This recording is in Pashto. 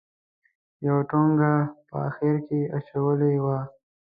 یوه ټونګه په اخره کې اچولې وه.